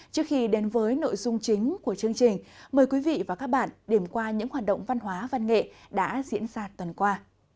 trước khi đến với nội dung chính của chương trình mời quý vị và các bạn điểm qua những hoạt động văn hóa văn nghệ đã diễn ra tuần qua